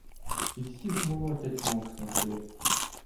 І всіх молотять, мов снопи.